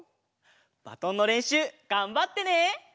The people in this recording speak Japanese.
バトンのれんしゅうがんばってね！